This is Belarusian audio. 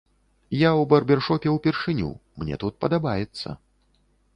Я ў барбершопе ўпершыню, мне тут падабаецца.